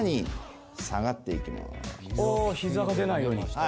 膝が出ないようにして。